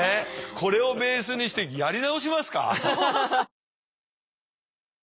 これをベースにしてやり直しますか。